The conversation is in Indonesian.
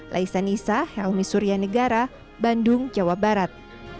laisa nisa helmi suryanegara bandung jawa barat